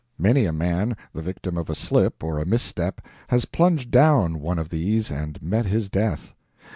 Many a man, the victim of a slip or a misstep, has plunged down one of these and met his death.